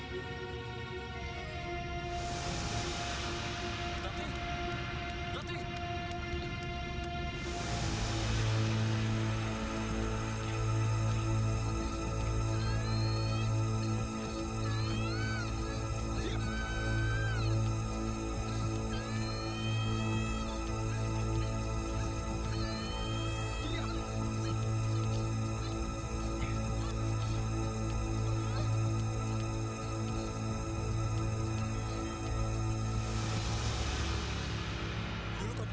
mas aduh tolong aku